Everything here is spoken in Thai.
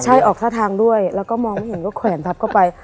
ใช่ออกท่าทางด้วยแล้วก็มองไม่เห็นก็แขวนทับเข้าไป